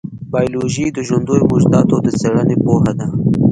بایولوژي د ژوندیو موجوداتو د څېړنې پوهه ده.